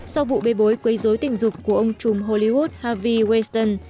sau vụ bê bối quấy dối tình dục của ông trùm hollywood harvey weinstein